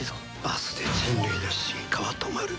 明日で人類の進化は止まる。